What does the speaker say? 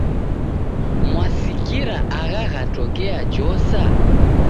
Mwasikira agha ghatokea Josa?